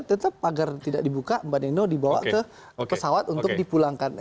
tetap agar tidak dibuka mbak neno dibawa ke pesawat untuk dipulangkan